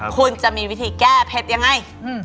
คุณจะมีวิธีแก้เผ็ดยังไง